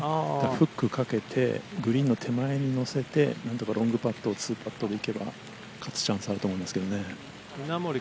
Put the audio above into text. フックかけてグリーンの手前に乗せて何とかロングパットを２パットでいけば勝つチャンスあると思いますけどね。